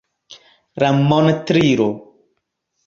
La montrilo.